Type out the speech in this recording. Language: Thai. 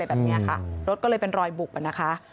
แบบนี้ค่ะรถก็เลยเป็นรอยบุบอ่ะนะคะ